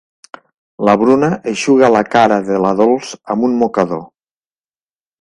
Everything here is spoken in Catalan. La Bruna eixuga la cara de la Dols amb un mocador.